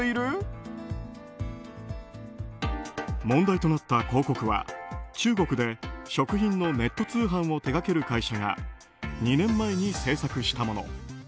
問題となった広告は中国で食品のネット通販を手がける会社が２年前に制作したもの。